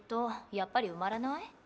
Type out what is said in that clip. やっぱり埋まらない？